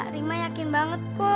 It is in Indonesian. rima yakin banget bu